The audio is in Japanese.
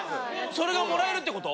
それがもらえるってこと？